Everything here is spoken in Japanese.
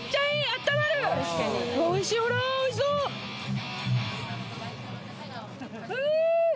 おいしいほらおいしそううん！